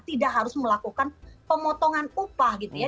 tidak harus melakukan pemotongan upah gitu ya